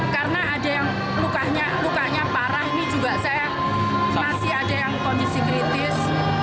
karena ada yang lukanya parah ini juga saya masih ada yang kondisi kritis